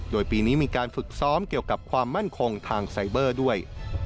โดยปีนี้มีการฝึกซ้อมเกี่ยวกับความมั่นคงทางไซเบอร์ด้วย